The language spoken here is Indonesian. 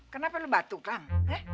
kenapa lo batuk bang